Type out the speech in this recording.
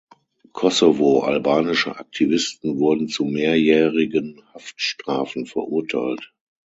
Kosovo-albanische Aktivisten wurden zu mehrjährigen Haftstrafen verurteilt.